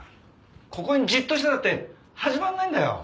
ここにじっとしてたって始まらないんだよ！